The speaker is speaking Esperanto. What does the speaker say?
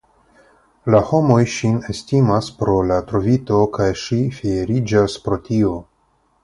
La homoj ŝin estimas pro la trovito, kaj ŝi fieriĝas pro tio.